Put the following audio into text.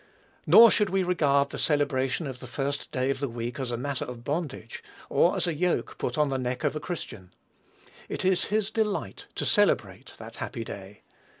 Nor should we regard the celebration of the first day of the week as a matter of bondage, or as a yoke put on the neck of a Christian. It is his delight to celebrate that happy day.